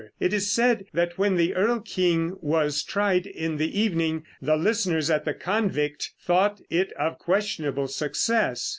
It is said that when the "Erl King" was tried in the evening, the listeners at the convict thought it of questionable success.